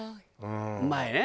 うまいね。